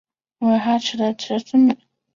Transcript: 努尔哈赤的侄孙女。